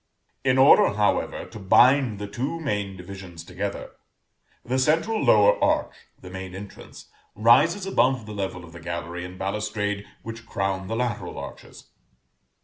In order, however, to bind the two main divisions together, the central lower arch (the main entrance) rises above the level of the gallery and balustrade which crown the lateral arches.